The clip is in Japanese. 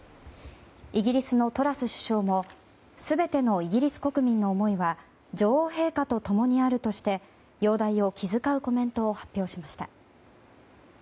イギリスのトラス首相も全てのイギリス国民の思いは女王陛下と共にあるとして容体を気遣うコメントを発表しました。